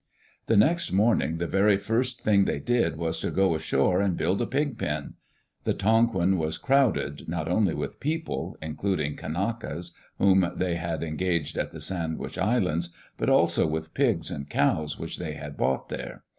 The next morning, the very first thing they did was to go ashore and build a pigpen 1 The Tonquin was crowded, not only with people, including Kanakas whom they had engaged at the Sandwich Islands, but also with pigs and cows which they had bought there.